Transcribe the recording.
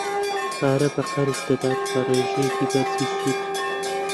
پارە بە قەرز دەدات بە ڕێژەیەکی بەرزی سوود.